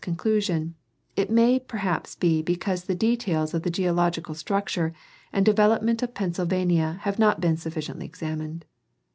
191 conclusion, it may perhaps be because the details of the geologi cal structure and development of Pennsylvania have not been sufficiently examined.